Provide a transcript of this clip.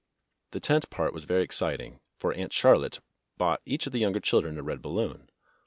The tent part was very exciting, for Aunt Charlotte bought each of the younger children a red balloon.